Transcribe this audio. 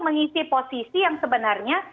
mengisi posisi yang sebenarnya